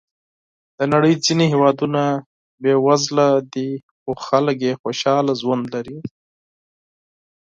د نړۍ ځینې هېوادونه بېوزله دي، خو خلک یې خوشحاله ژوند لري.